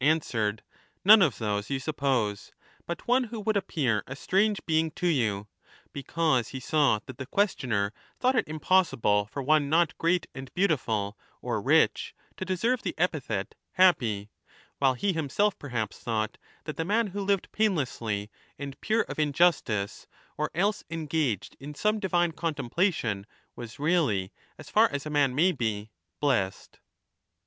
answered, 'None of those you sup pose, but one who would appear a strange being to 10 you,' because he saw that the questioner thought it impos sible for one not great ^nd beautiful or rich to deserve the epithet ' happy ', whilcxhe himself perhaps thought that the man who lived painlessly and pure of injustice or else engaged in some divine contemplation was really, as far as a man may be, blessed.